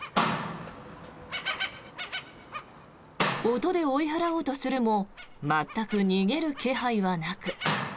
音で追い払おうとするも全く逃げる気配はなく。